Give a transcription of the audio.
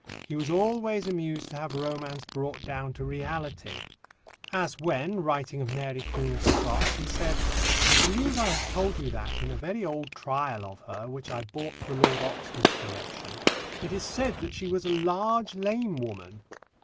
He was always amused to have romance brought down to reality, as when, writing of Mary Queen of Scots, he said: "I believe I have told you that, in a very old trial of her, which I bought for Lord Oxford's collection, it is said that she was a large lame woman.